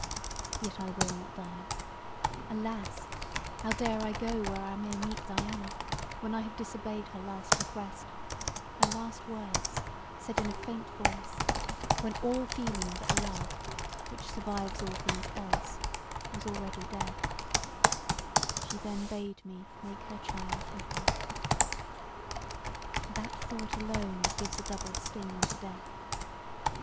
Yet I will not die; alas! how dare I go where I may meet Diana, when I have disobeyed her last request; her last words said in a faint voice when all feeling but love, which survives all things else was already dead, she then bade me make her child happy: that thought alone gives a double sting to death.